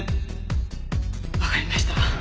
わかりました。